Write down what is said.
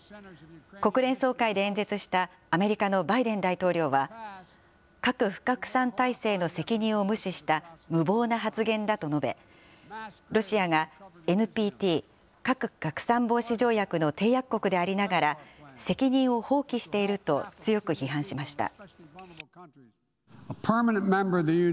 国連総会で演説したアメリカのバイデン大統領は、核不拡散体制の責任を無視した無謀な発言だと述べ、ロシアがＮＰＴ・核拡散防止条約の締約国でありながら、責任を放棄していると強く批判しました。